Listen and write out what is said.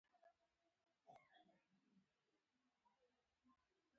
هر شی د فزیک تابع دی.